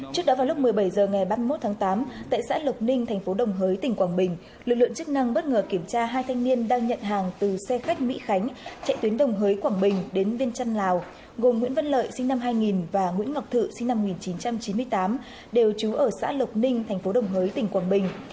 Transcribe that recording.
trước đó vào lúc một mươi bảy h ngày ba mươi một tháng tám tại xã lộc ninh thành phố đồng hới tỉnh quảng bình lực lượng chức năng bất ngờ kiểm tra hai thanh niên đang nhận hàng từ xe khách mỹ khánh chạy tuyến đồng hới quảng bình đến viên trăn lào gồm nguyễn văn lợi sinh năm hai nghìn và nguyễn ngọc thự sinh năm một nghìn chín trăm chín mươi tám đều trú ở xã lộc ninh tp đồng hới tỉnh quảng bình